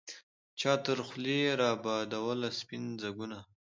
چا تر خولې را بادوله سپین ځګونه